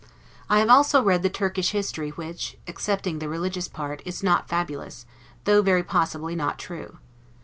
I have also read the Turkish history which, excepting the religious part, is not fabulous, though very possibly not true.